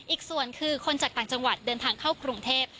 อีกส่วนคือคนจากต่างจังหวัดเดินทางเข้ากรุงเทพ